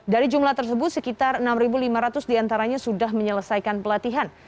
dari jumlah tersebut sekitar enam lima ratus diantaranya sudah menyelesaikan pelatihan